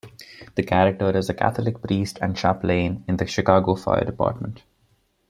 The character is a Catholic priest and a Chaplain in the Chicago Fire Department.